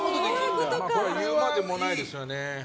言うまでもないですよね。